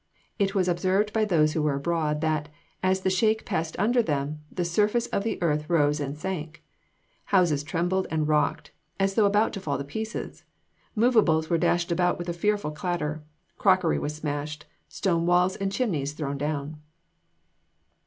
It was observed by those who were abroad that, as the shake passed under them, the surface of the earth rose and sank." Houses trembled and rocked, as though about to fall to pieces. Movables were dashed about with a fearful clatter. Crockery was smashed; stone walls and chimneys thrown down.